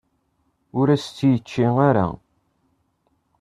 Ur as-tt-yečči ara.